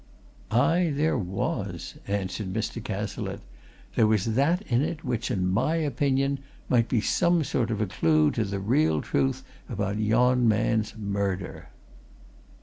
"Aye, there was!" answered Mr. Cazalette. "There was that in it which, in my opinion, might be some sort of a clue to the real truth about yon man's murder!"